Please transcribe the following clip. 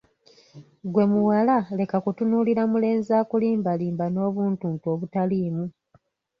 Ggwe muwala leka kutunuulira mulenzi akulimbalimba n'obuntuntu obutaliimu!